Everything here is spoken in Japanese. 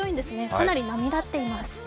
かなり波立っています。